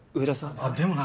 あっでもな。